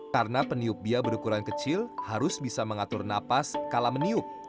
karena peniup bia berukuran kecil harus bisa mengatur napas kala meniup